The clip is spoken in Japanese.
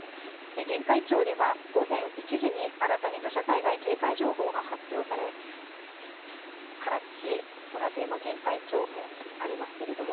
玄海町では、午前１時に新たに土砂災害警戒情報が発表され、唐津市、この辺りに玄海町もありますけれども、